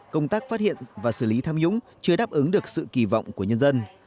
công tác phát hiện và xử lý tham nhũng chưa đáp ứng được sự kỳ vọng của nhân dân